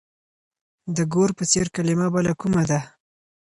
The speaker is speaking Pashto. د ګور په څېر کلمه بله کومه ده؟